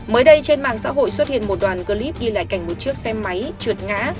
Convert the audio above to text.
mới đây trên mạng xã hội xuất hiện một đoàn clip ghi lại cảnh một chiếc xe máy trượt ngã